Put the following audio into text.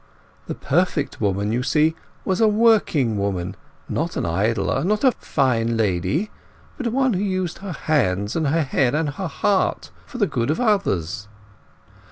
The perfect woman, you see, was a working woman; not an idler; not a fine lady; but one who used her hands and her head and her heart for the good of others.